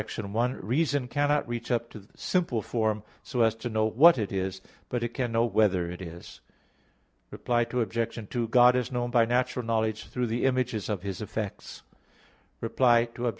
1: Reason cannot reach up to simple form, so as to know "what it is"; but it can know "whether it is." Reply Obj. 2: God is known by natural knowledge through the images of His effects. Reply Obj.